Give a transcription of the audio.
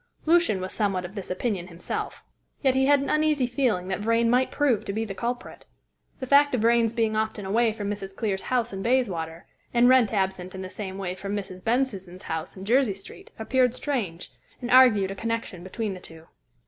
Lucian was somewhat of this opinion himself, yet he had an uneasy feeling that Vrain might prove to be the culprit. The fact of Vrain's being often away from Mrs. Clear's house in Bayswater, and Wrent absent in the same way from Mrs. Bensusan's house in Jersey Street, appeared strange, and argued a connection between the two.